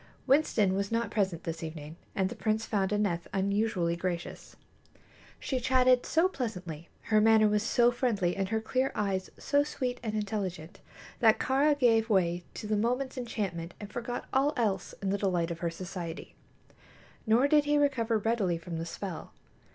Winston was not present this evening, and the prince found Aneth unusually gracious. She chatted so pleasantly, her manner was so friendly and her clear eyes so sweet and intelligent, that Kāra gave way to the moment's enchantment and forgot all else in the delight of her society. Nor did he recover readily from the spell.